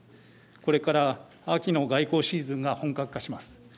これから秋の外交シーズンが本格化します。